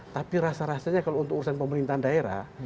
tapi rasa rasanya kalau untuk urusan pemerintahan daerah